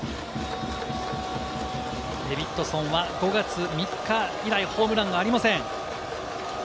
デビッドソンは５月３日以来、ホームランがありません。